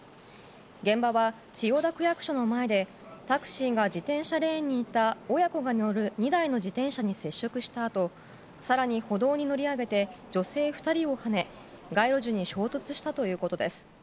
現場は千代田区役所の前でタクシーが自転車レーンにいた親子が乗る２台の自転車に接触したあと更に歩道に乗り上げて女性２人をはね街路樹に衝突したということです。